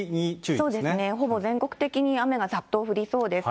そうですね、ほぼ全国的に雨がざっと降りそうです。